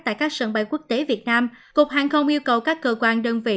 tại các sân bay quốc tế việt nam cục hàng không yêu cầu các cơ quan đơn vị